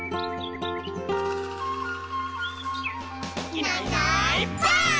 「いないいないばあっ！」